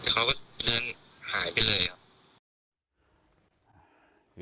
เขาก็เดินหายไปเลย